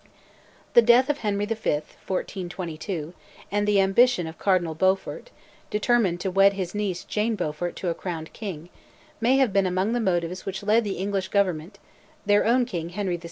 The death of Henry V. (1422) and the ambition of Cardinal Beaufort, determined to wed his niece Jane Beaufort to a crowned king, may have been among the motives which led the English Government (their own king, Henry VI.